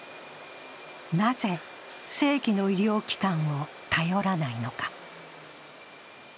なぜ、正規の医療機関を頼らないのか。